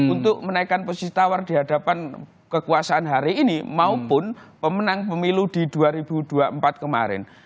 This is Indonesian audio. untuk menaikkan posisi tawar di hadapan kekuasaan hari ini maupun pemenang pemilu di dua ribu dua puluh empat kemarin